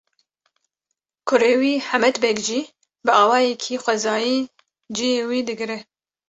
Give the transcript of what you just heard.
Kurê wî Hemed Beg jî bi awayekî xwezayî ciyê wî digire.